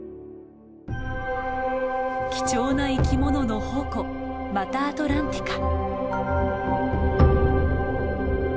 貴重な生き物の宝庫マタアトランティカ。